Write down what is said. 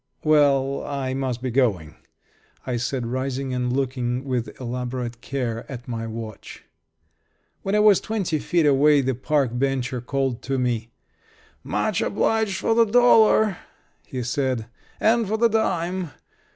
"Well, I must be going," I said, rising and looking with elaborate care at my watch. When I was twenty feet away the park bencher called to me. "Much obliged for the dollar," he said. "And for the dime.